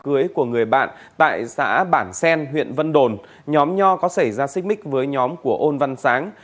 cưới của người bạn tại xã bản sen huyện vân đồn nhóm nho có xảy ra xích mích với nhóm của ôn văn sáng